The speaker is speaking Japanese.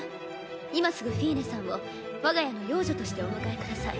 今すぐフィーネさんを我が家の養女としてお迎えください。